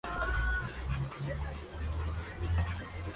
La composición le llevó justo más de un mes.